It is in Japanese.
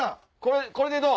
これでどう？